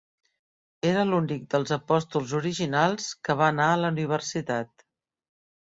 Era l'únic dels apòstols originals que va anar a la universitat.